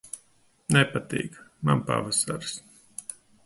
Nepatīk man pavasaris.